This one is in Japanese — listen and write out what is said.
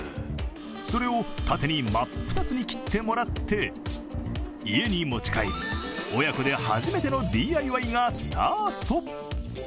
それを縦に真っ二つに切ってもらって家に持ち帰り親子で初めてのＤＩＹがスタート。